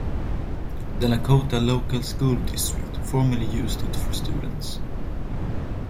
The Lakota Local School District formerly used it for students.